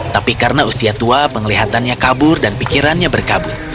tapi karena usia tua penglihatannya kabur dan pikirannya berkabut